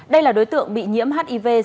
đây là đối tượng bị nhiễm hiv